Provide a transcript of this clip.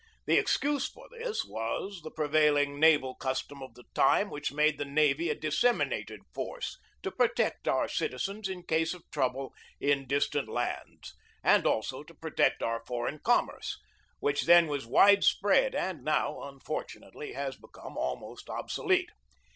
The excuse for this was the pre vailing naval custom of the time which made the navy a disseminated force to protect our citizens in case of trouble in distant lands, and also to protect our foreign commerce, which then was wide spread and now, unfortunately, has become almost obsolete.